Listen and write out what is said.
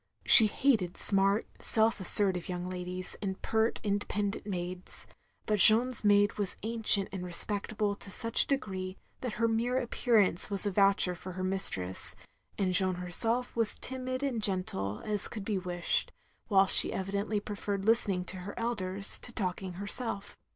She hated smart, self assertive yotmg ladies, and pert independent maids; but Jeanne's maid was ancient and respectable to such a degree that her mere appearance was a voucher for her nMstress, and Jeanne herself was timid and gentle as could be wished, whilst she evidently preferred listening to her elders, to talking herself.